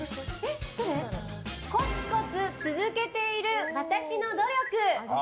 コツコツ続けている私の努力。